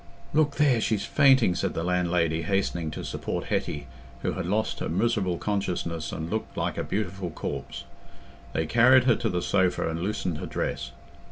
"Look there! She's fainting," said the landlady, hastening to support Hetty, who had lost her miserable consciousness and looked like a beautiful corpse. They carried her to the sofa and loosened her dress.